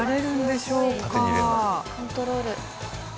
コントロール。